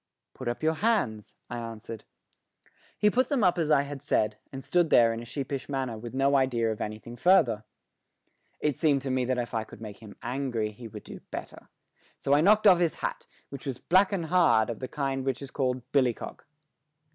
"Put up your hands," I answered. He put them up as I had said, and stood there in a sheepish manner with no idea of anything further. It seemed to me that if I could make him angry he would do better, so I knocked off his hat, which was black and hard, of the kind which is called billy cock.